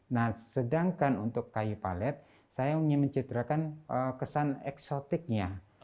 nah sedangkan untuk kayu palet saya ingin mencitrakan kesan eksotiknya